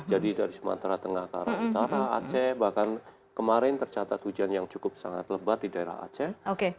jadi dari sumatera tengah ke arah utara aceh bahkan kemarin tercatat hujan yang cukup sangat lebat di daerah aceh